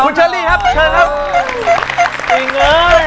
คุณชัลลี่ครับเป็นไม่ก่อน